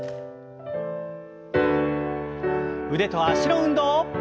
腕と脚の運動。